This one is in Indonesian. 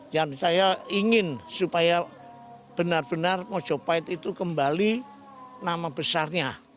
dan saya ingin supaya benar benar mojopahit itu kembali nama besarnya